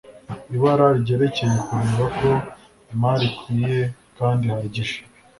Ibara ryerekeye kureba ko imari ikwiye kandi ihagije